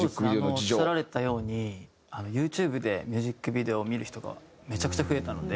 おっしゃられたようにユーチューブでミュージックビデオを見る人がめちゃくちゃ増えたので。